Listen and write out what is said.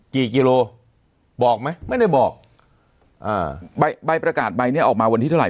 กิโลบอกไหมไม่ได้บอกอ่าใบใบประกาศใบเนี้ยออกมาวันที่เท่าไห